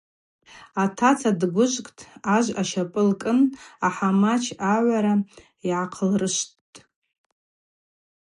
Атаца дгвыжвкӏтӏ, ажв ащапӏы лкӏын ахӏамач агвара йгӏахъылрышвттӏ.